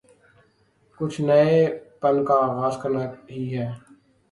کچھ نئے پن کا آغاز کرنا ہی ہے۔